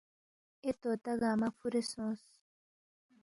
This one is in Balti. اے طوطا گنگمہ فُورے سونگس